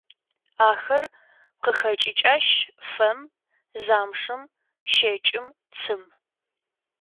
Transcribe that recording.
Ахэр къыхэщӏыкӏащ фэм, замшым, щэкӏым, цым.